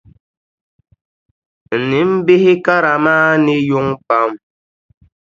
N nimbihi kara maa ne yuŋ pam.